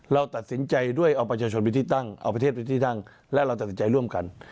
เราตัดสินใจด้วยเอาประชาชนไปที่ตั้งเอาประเทศเป็นที่ตั้งและเราตัดสินใจร่วมกัน